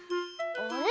あれ？